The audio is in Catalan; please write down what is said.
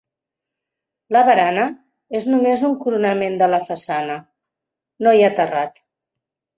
La barana és només un coronament de la façana, no hi ha terrat.